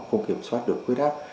không kiểm soát được khuế đáp